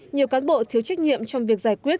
nhiều cán bộ thiếu trách nhiệm trong việc giải quyết